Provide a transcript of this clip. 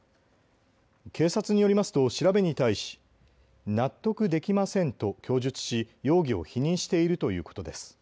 警察によりますと調べに対し納得できませんと供述し容疑を否認しているということです。